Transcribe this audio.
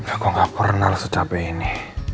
aku gak pernah lho secapek ini